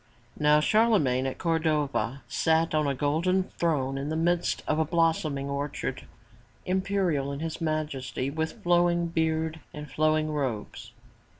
Now Charlemagne at Cordova, sat on a golden throne in the midst of a blossoming orchard, imperial in his majesty, with flow ing beard and flowing robes.